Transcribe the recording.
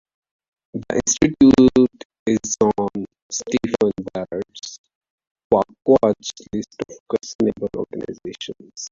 The institute is on Stephen Barrett's Quackwatch list of questionable organizations.